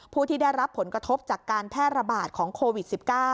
ผู้ที่ได้รับผลกระทบจากการแพร่ระบาดของโควิด๑๙